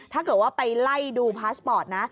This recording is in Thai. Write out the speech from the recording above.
ถ้าเกิดว่าไปไล่ดูพาสปอร์ตนะ